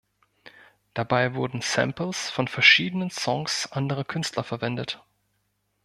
Dabei wurden Samples von verschiedenen Songs anderer Künstler verwendet.